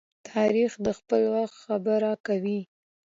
تاریخ د خپل وخت خبره کوي.